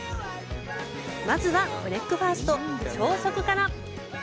まずはブレックファスト、朝食から。